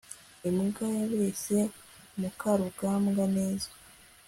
imbwa yabeshye mukarugambwa neza